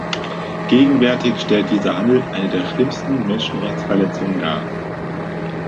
Gegenwärtig stellt dieser Handel eine der schlimmsten Menschenrechtsverletzungen dar.